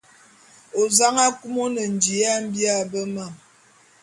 Ozang akum one ndi ya mbia bé mam.